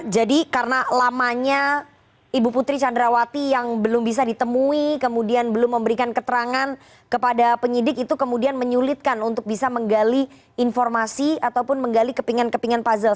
jadi karena lamanya ibu putri candrawati yang belum bisa ditemui kemudian belum memberikan keterangan kepada penyidik itu kemudian menyulitkan untuk bisa menggali informasi ataupun menggali kepingan kepingan puzzle